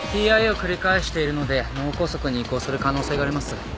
ＴＩＡを繰り返しているので脳梗塞に移行する可能性があります。